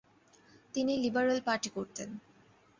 তিনি liberal party করতেন।